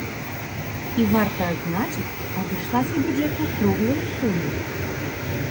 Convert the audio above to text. І, варта адзначыць, абышлася бюджэту ў круглую суму.